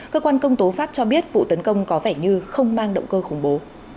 cơ quan công tố pháp cho biết vụ tấn công có vẻ như không mang động cơ khủng bố